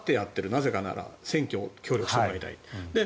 なぜなら選挙に協力してもらいたい。